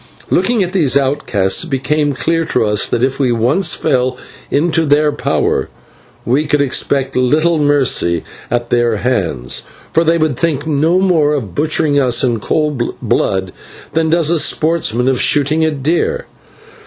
Looking at these outcasts it became clear to us that, if once we fell into their power, we could expect little mercy at their hands, for they would think no more of butchering us in cold blood than does a sportsman of shooting a deer.